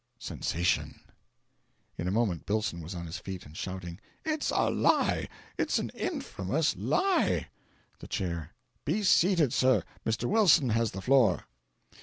(Sensation.) In a moment Billson was on his feet and shouting: "It's a lie! It's an infamous lie!" The Chair. "Be seated, sir! Mr. Wilson has the floor."